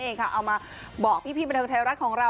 เอามาบอกพี่บรรทักษ์ไทยรัฐของเรา